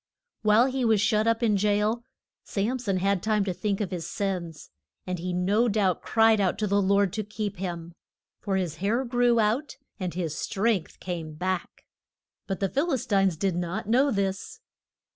While he was shut up in jail Sam son had time to think of his sins, and he no doubt cried out to the Lord to keep him. For his hair grew out and his strength came back. But the Phil is tines did not know this.